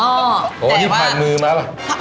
โอ้โหนี่ผ่านมือมาล่ะ